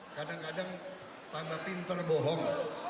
kadang kadang tambah pinter bohong